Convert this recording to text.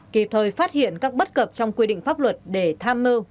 kịp thời phát hiện các bất cập trong quy định pháp luật để tham mưu